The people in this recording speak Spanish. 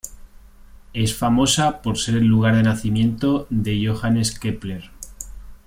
Es famosa por ser el lugar de nacimiento de Johannes Kepler.